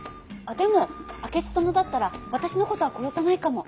でも明智殿だったら私の事は殺さないかも。